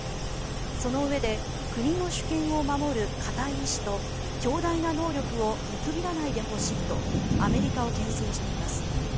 そのうえで国の主権を守る固い意志と強大な能力を見くびらないでほしいとアメリカをけん制しています。